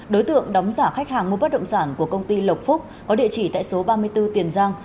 đối tượng đóng giả khách hàng mua bất động sản của công ty lộc phúc có địa chỉ tại số ba mươi bốn tiền giang